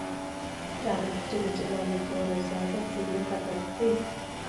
د الله رضا د ټولو هدف دی.